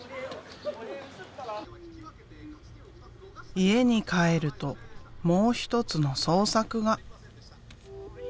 家に帰るともう一つの創作が。